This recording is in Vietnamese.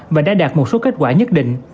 và đã đạt một số kết quả nhất định